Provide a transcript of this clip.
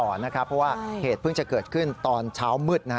เพราะว่าเหตุเพิ่งจะเกิดขึ้นตอนเช้ามืด